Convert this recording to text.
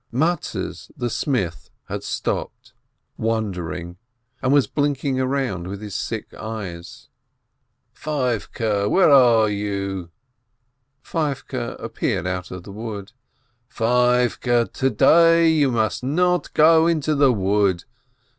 Mattes the smith had stopped, wondering, and was blinking around with his sick eyes. "Feivke, where are you?" Feivke appeared out of the wood. "Feivke, to day you mustn't go into the wood.